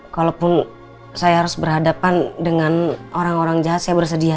kalaupun saya harus berhadapan dengan orang orang jahat saya bersedia